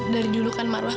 dari dulu kan marwah